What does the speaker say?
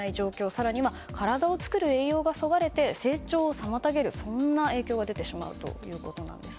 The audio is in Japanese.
更には体を作る栄養がそがれて成長を妨げる影響が出てしまうということです。